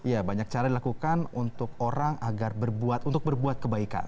ya banyak cara dilakukan untuk orang agar berbuat untuk berbuat kebaikan